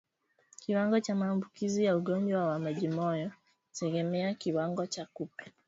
Kiwango cha maambukizi ya ugonjwa wa majimoyo hutegemea kiwango cha kupe